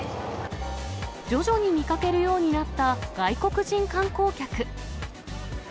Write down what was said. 徐々に見かけるようになった外国人観光客。